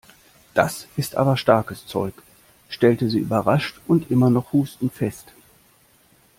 Das ist aber starkes Zeug!, stellte sie überrascht und immer noch hustend fest.